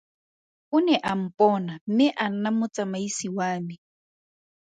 O ne a mpona mme a nna motsamaisi wa me.